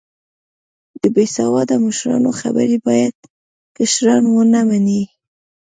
د بیسیواده مشرانو خبرې باید کشران و نه منې